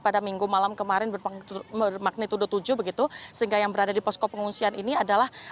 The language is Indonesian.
pada minggu malam kemarin bermagnitudo tujuh begitu sehingga yang berada di posko pengungsian ini adalah